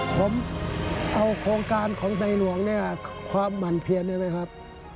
ผมเอาโครงการของในหลวงเนี่ยความหมั่นเพียนได้ไหมครับ